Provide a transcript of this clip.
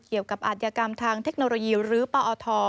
เกี่ยวกับอัธยกรรมทางเทคโนโลยีหรือปอท